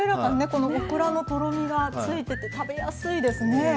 このオクラのとろみがついてて食べやすいですね。